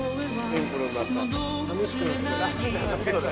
シンプルになった・寂しくなってる・